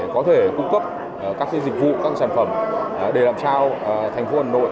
có thể cung cấp các dịch vụ các sản phẩm để làm sao thành phố hà nội